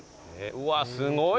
うわすごい。